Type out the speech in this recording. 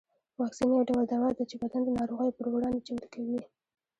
واکسین یو ډول دوا ده چې بدن د ناروغیو پر وړاندې چمتو کوي